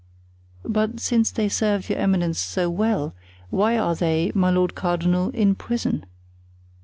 "But since they served your eminence so well, why are they, my lord cardinal, in prison?"